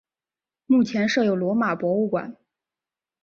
目前设有罗马博物馆。